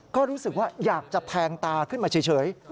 ก็รู้สึกว่าอยากจะแทงตาขึ้นมาเฉย